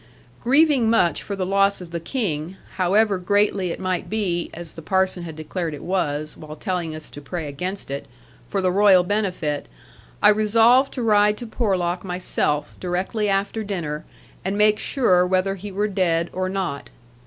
Grieving much for the loss of the King, however greatly it might be (as the parson had declared it was, while telling us to pray against it) for the royal benefit, I resolved to ride to Porlock myself, directly after dinner, and make sure whether he were dead, or not.